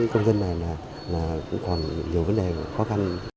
các công dân này là cũng còn nhiều vấn đề khó khăn